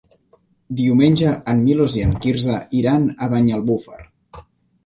Diumenge en Milos i en Quirze iran a Banyalbufar.